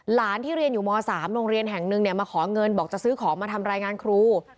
หลานที่เรียนอยู่ม๓โรงเรียนแห่งหนึ่งเนี่ยมาขอเงินบอกจะซื้อของมาทำรายงานครู